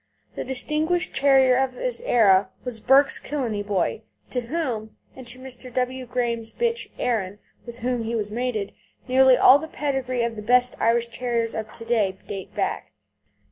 The distinguished terrier of his era was Burke's Killeney Boy, to whom, and to Mr. W. Graham's bitch Erin, with whom he was mated, nearly all the pedigrees of the best Irish Terriers of to day date back.